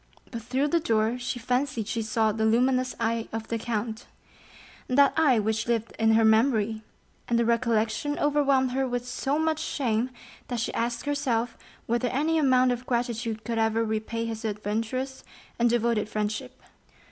But through the door she fancied she saw the luminous eye of the count—that eye which lived in her memory, and the recollection overwhelmed her with so much shame that she asked herself whether any amount of gratitude could ever repay his adventurous and devoted friendship.